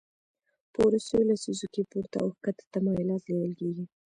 په وروستیو لسیزو کې پورته او کښته تمایلات لیدل کېږي